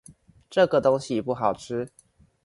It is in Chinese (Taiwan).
這個東西不好吃